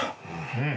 うん。